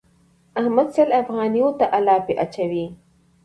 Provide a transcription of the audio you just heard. احمد سل افغانيو ته الاپی اچوي.